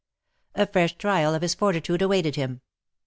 A fresh trial of his fortitude awaited him.